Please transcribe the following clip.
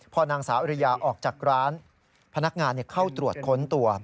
พอนางสาวอริยาออกจากร้านพนักงานเข้าตรวจค้นตัว